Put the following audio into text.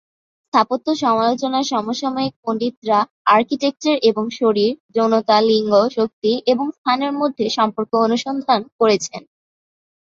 স্থাপত্য সমালোচনার সমসাময়িক পণ্ডিতরা আর্কিটেকচার এবং শরীর, যৌনতা, লিঙ্গ, শক্তি এবং স্থানের মধ্যে সম্পর্ক অনুসন্ধান করেছেন।